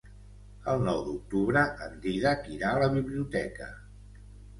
El nou d'octubre en Dídac irà a la biblioteca.